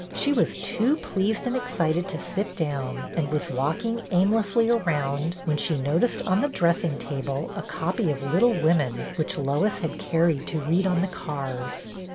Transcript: She was too pleased and excited to sit down, and was walking aimlessly around, when she noticed on the dressing table a copy of " Little Women," which Lois had carried to read on the cars.